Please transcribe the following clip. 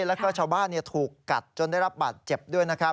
แล้วก็ชาวบ้านถูกกัดจนได้รับบาดเจ็บด้วยนะครับ